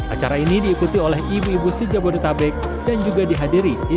acara ini diikuti oleh ibu ibu si jabodetabek dan juga dihadiri